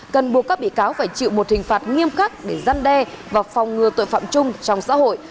cần buộc các bị cáo phải chịu một hình phạt nghiêm khắc để gian đe và phòng ngừa tội phạm chung trong xã hội